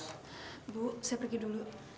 ibu saya pergi dulu